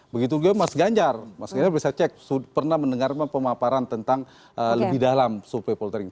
begitu juga mas ganjar mas ganjar bisa cek pernah mendengar pemaparan tentang lebih dalam survei poltering